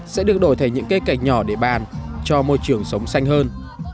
sẽ được đổi thành những cây cạch nhỏ để bàn cho môi trường sống xanh hơn